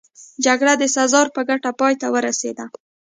جګړه د سزار په ګټه پای ته ورسېده